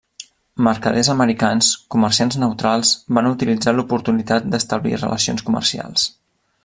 Mercaders americans, comerciants neutrals, van utilitzar l'oportunitat d'establir relacions comercials.